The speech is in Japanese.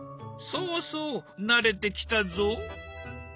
そうそう慣れてきたぞ。